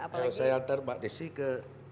kalau saya anter mbak desy ke empat